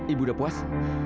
ibu udah puas